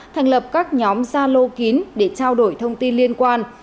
thành lập các nhóm gia lô kín để trao đổi thông tin liên quan